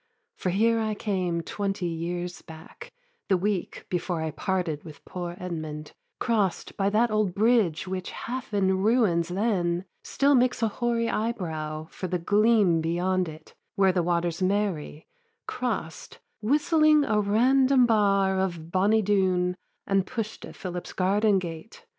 For here I came, twenty years back the week Before I parted with poor Edmund; crost By that old bridge which, half in ruins then, Still makes a hoary eyebrow for the gleam Beyond it, where the waters marry crost, Whistling a random bar of Bonny Doon, And push'd at Philip's garden gate.